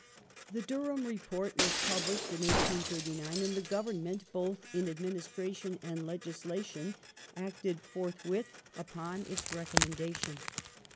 The Durham Report was published in 1839, and the Govern ment, both in administration and legislation, acted forthwith upon its recommendation.